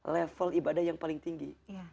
level ibadah yang paling tinggi